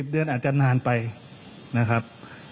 เดือนอาจจะนานไปนะครับ